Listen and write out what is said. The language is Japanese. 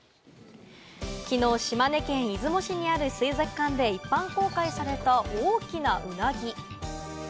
きのう島根県出雲市にある水族館で一般公開された大きなウナギ。